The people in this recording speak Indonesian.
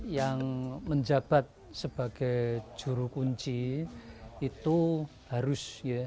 yang menjabat sebagai juru kunci itu harus